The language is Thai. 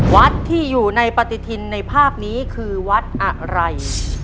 วัดที่อยู่ในปฏิทินในภาพนี้คือวัดอะไร